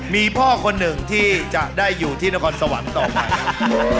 มีพ่อคนหนึ่งที่จะได้อยู่ที่นครสวรรค์ต่อไปครับ